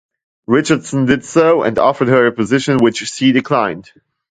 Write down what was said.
Richardson did so, and offered her a position, which she declined.